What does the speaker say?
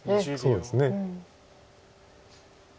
そうですね。